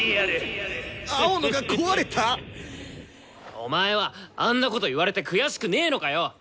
お前はあんなこと言われて悔しくねのかよ！？